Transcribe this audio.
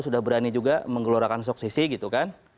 sudah berani juga menggelorakan suksesi gitu kan